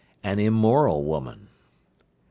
An immoral woman. 32.